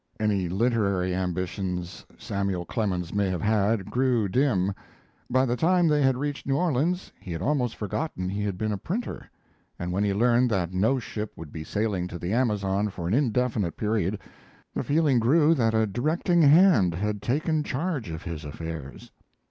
Any literary ambitions Samuel Clemens may have had grew dim; by the time they had reached New Orleans he had almost forgotten he had been a printer, and when he learned that no ship would be sailing to the Amazon for an indefinite period the feeling grew that a directing hand had taken charge of his affairs.